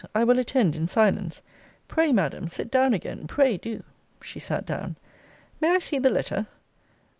I will attend in silence. Pray, Madam, sit down again pray do [she sat down.] May I see the letter?